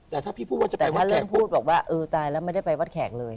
แต่ถ้าพี่พูดว่าจะไปวัดแขกพูดบอกว่าเออตายแล้วไม่ได้ไปวัดแขกเลย